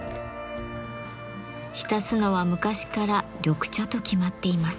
浸すのは昔から緑茶と決まっています。